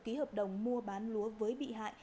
ký hợp đồng mua bán lúa với bị hại